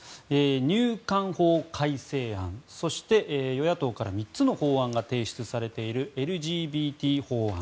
入管法改正案そして、与野党から３つの法案が提出されているＬＧＢＴ法案。